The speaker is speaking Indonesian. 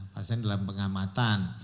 pasien dalam pengamatan